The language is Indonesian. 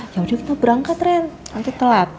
yaudah kita berangkat ren nanti telat